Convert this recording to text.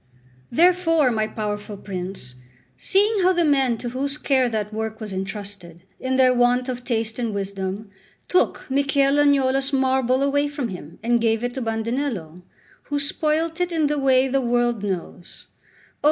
Therefore, my powerful prince, seeing how the men to whose care that work was entrusted, in their want of taste and wisdom, took Michel Agnolo's marble away from him, and gave it to Bandinello, who spoilt it in the way the whole world knows, oh!